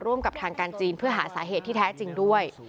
กับทางการจีนเพื่อหาสาเหตุที่แท้จริงด้วย